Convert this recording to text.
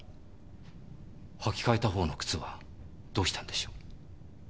履き替えたほうの靴はどうしたんでしょう？